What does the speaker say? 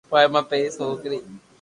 پوءِ مان پهرين سوڪري